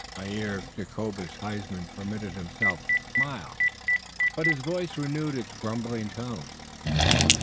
Mynheer Jacobus Huysman permitted himself to smile. But his voice renewed its grumbling tone.